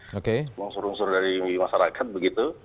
mengusur usur dari masyarakat begitu